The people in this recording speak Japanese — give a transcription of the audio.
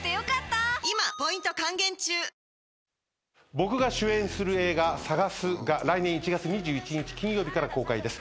僕が主演する映画『さがす』が来年１月２１日金曜日から公開です。